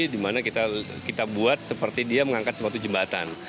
di mana kita buat seperti dia mengangkat suatu jembatan